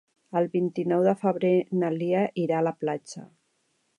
El vint-i-nou de febrer na Lia irà a la platja.